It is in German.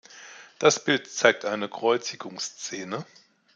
Das Bild zeigt eine Kreuzigungsszene.